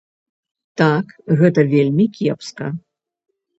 Так, гэта вельмі кепска.